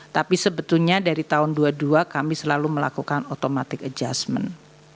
tapi sebetulnya dari tahun dua puluh dua kami selalu melakukan automatic adjustment